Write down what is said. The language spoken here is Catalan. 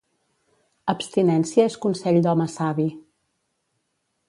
Abstinència és consell d'home savi.